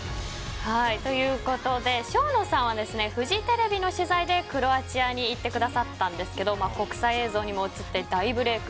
ＳＨＯＮＯさんはフジテレビの取材でクロアチアに行ってくださったんですけど国際映像にも映って大ブレーク。